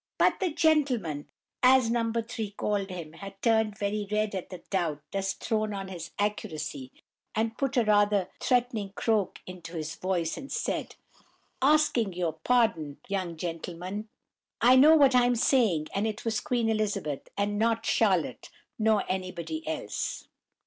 But the "gentleman," as No. 3 called him, had turned very red at the doubt thus thrown on his accuracy, and put a rather threatening croak into his voice, as he said:— "Asking your pardon, young gentleman, I know what I'm saying, and it was Queen Elizabeth, and not Charlotte nor anybody else!"